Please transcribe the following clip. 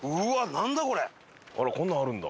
あらこんなんあるんだ。